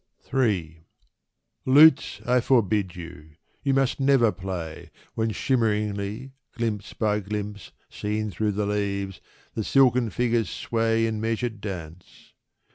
III. Lutes, I forbid you! You must never play, When shimmeringly, glimpse by glimpse Seen through the leaves, the silken figures sway In measured dance.